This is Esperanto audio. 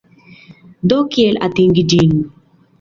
Do kiel atingi ĝin?